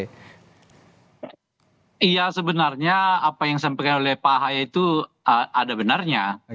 iya sebenarnya apa yang disampaikan oleh pak haye itu ada benarnya